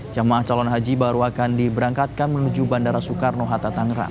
jemaah calon haji baru akan diberangkatkan menuju bandara soekarno hatta tangerang